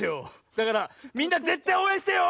だからみんなぜったいおうえんしてよ！